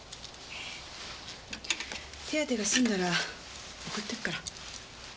手当てが済んだら送ってくから。